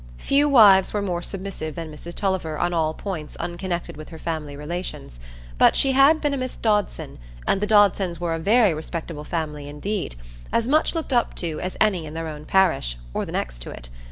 Few wives were more submissive than Mrs Tulliver on all points unconnected with her family relations; but she had been a Miss Dodson, and the Dodsons were a very respectable family indeed,—as much looked up to as any in their own parish, or the next to it.